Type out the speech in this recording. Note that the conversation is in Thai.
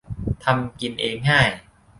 ทำกินเองง่าย